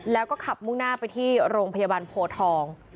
แล้วก็ขับมุ่งหน้าไปที่โรงพยาบาลโพทอง